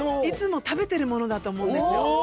いつも食べてるものだと思うんですよ。